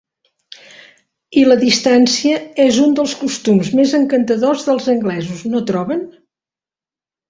I la distància és un dels costums més encantadors dels anglesos, no troben?